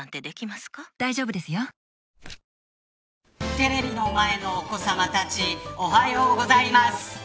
テレビの前のお子さまたちおはようございます。